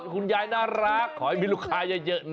คุณยายน่ารักขอให้มีลูกค้าเยอะนะ